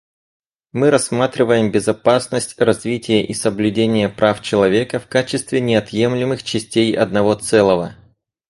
Мы рассматриваем безопасность, развитие и соблюдение прав человека в качестве неотъемлемых частей одного целого.